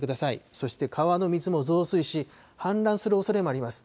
そして川の水も増水し氾濫するおそれもあります。